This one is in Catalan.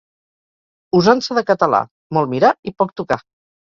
Usança de català: molt mirar i poc tocar.